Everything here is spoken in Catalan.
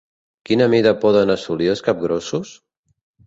Quina mida poden assolir els capgrossos?